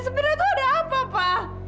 sebenarnya tuh ada apa pak